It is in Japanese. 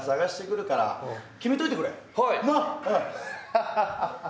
ハハハハ！